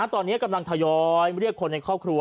ตอนนี้กำลังทยอยเรียกคนในครอบครัว